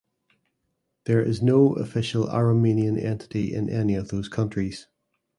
There is no official Aromanian entity in any of those countries.